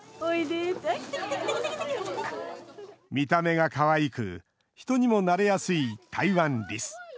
見た目がかわいく、人にも慣れやすいタイワンリス。